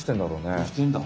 どうしてんだ？